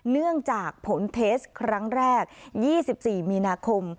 เนื่องจากผลเทสครั้งแรก๒๔มีนาคม